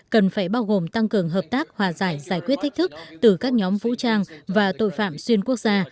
cần phải bao gồm tăng cường hợp tác hòa giải giải quyết thách thức từ các nhóm vũ trang và tội phạm xuyên quốc gia